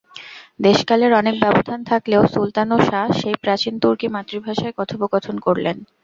দেশকালের অনেক ব্যবধান থাকলেও, সুলতান ও শা সেই প্রাচীন তুর্কী মাতৃভাষায় কথোপকথন করলেন।